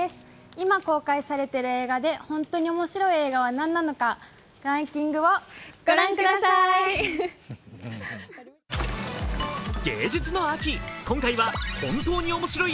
今公開されている映画で本当に面白い映画は何なのかランキングを御覧ください！